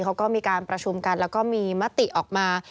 เขาก็มีการประชุมกันแล้วก็มีมติออกมา